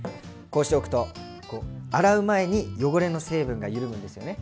こうしておくと洗う前に汚れの成分が緩むんですよね。